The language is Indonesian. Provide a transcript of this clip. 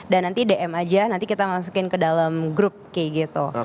dan nanti dm aja nanti kita masukin ke dalam grup kayak gitu